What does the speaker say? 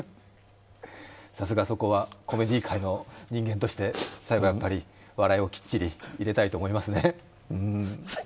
さすが、そこはコメディー界隈の人間として最後はやっぱり笑いをきっちり入れたいと思いますね。